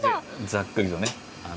ざっくりとね